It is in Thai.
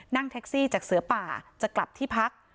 นั่งแท็กซี่จากเสือป่าจะกลับที่พัก